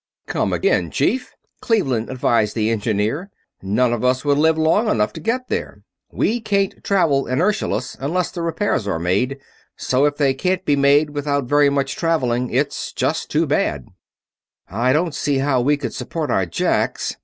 "Come again, Chief!" Cleveland advised the engineer. "None of us would live long enough to get there. We can't travel inertialess until the repairs are made, so if they can't be made without very much traveling, it's just too bad." "I don't see how we could support our jacks